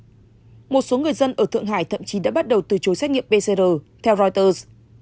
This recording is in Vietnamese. một số người dân ở thượng hải thậm chí đã bắt đầu từ chối xét nghiệm pcr theo reuters